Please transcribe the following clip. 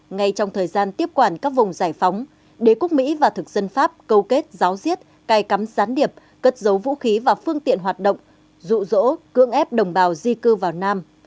ngay trong thời gian tiếp quản các vùng giải phóng đế quốc mỹ và thực dân pháp câu kết giáo diết cài cắm gián điệp cất giấu vũ khí và phương tiện hoạt động dụ dỗ cưỡng ép đồng bào di cư vào nam